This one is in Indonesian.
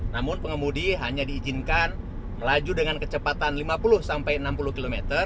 namun pengemudi hanya diizinkan melaju dengan kecepatan lima puluh sampai enam puluh km